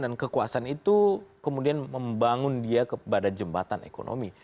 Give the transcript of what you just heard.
dan kekuasaan itu kemudian membangun dia kepada jembatan ekonomi